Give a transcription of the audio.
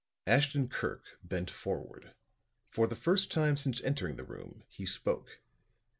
Ashton Kirk bent forward. For the first time since entering the room, he spoke.